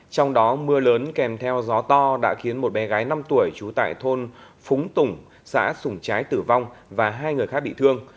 trong đó mưa lớn kèm theo gió to đã khiến một bé gái năm tuổi trú tại thôn phúng tùng xã sủng trái tử vong và hai người khác bị thương